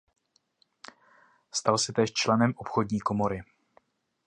Stal se též členem obchodní komory.